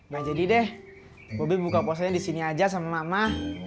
gak jadi deh bobi buka puasanya disini aja sama mama